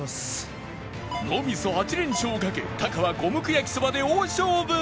ノーミス８連勝をかけタカは五目焼そばで大勝負！